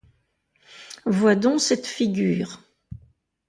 Vois donc cette figure !